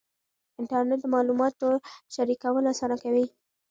انټرنېټ د معلوماتو شریکول اسانه کوي.